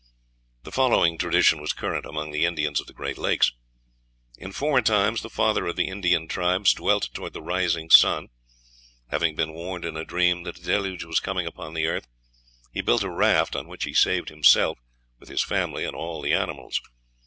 The following tradition was current among the Indians of the Great Lakes: "In former times the father of the Indian tribes dwelt toward the rising sun. Having been warned in a dream that a deluge was coming upon the earth, he built a raft, on which he saved himself, with his family and all the animals.